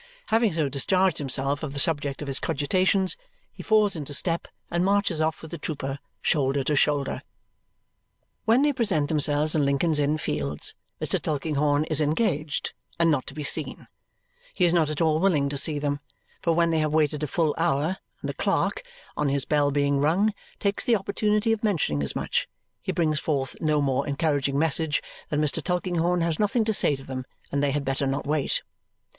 Having so discharged himself of the subject of his cogitations, he falls into step and marches off with the trooper, shoulder to shoulder. When they present themselves in Lincoln's Inn Fields, Mr. Tulkinghorn is engaged and not to be seen. He is not at all willing to see them, for when they have waited a full hour, and the clerk, on his bell being rung, takes the opportunity of mentioning as much, he brings forth no more encouraging message than that Mr. Tulkinghorn has nothing to say to them and they had better not wait.